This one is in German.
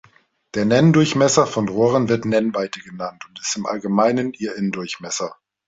Der Nenndurchmesser von Rohren wird Nennweite genannt und ist im Allgemeinen ihr Innendurchmesser.